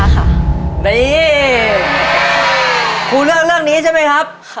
ครูเลือกเรื่องนี้ใช่ไหมครับ